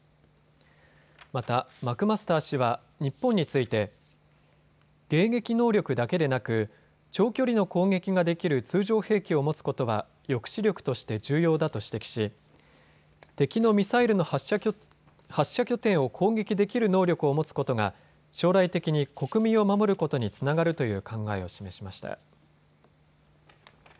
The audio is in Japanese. またマクマスター氏は日本について迎撃能力だけでなく長距離の攻撃ができる通常兵器を持つことは抑止力として重要だと指摘し敵のミサイルの発射拠点を攻撃できる能力を持つことが将来的に国民を守ることにつながるという考えを示しました。